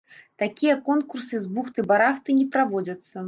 Такія конкурсы з бухты-барахты не праводзяцца.